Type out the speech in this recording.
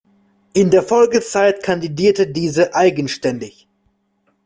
In der Folgezeit kandidierte diese eigenständig.